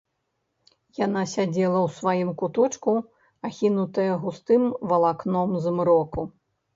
Яна сядзела ў сваім куточку, ахінутая густым валакном змроку.